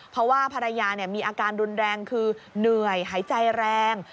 เพราะว่าภรรยามีอาการรุนแรงคือเหนื่อยหายใจแรง